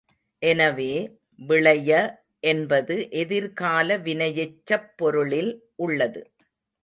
எனவே, விளைய என்பது எதிர்கால வினையெச்சப் பொருளில் உள்ளது.